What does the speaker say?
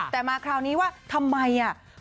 แต่มาคราวนี้ว่าทำไมอ่ะ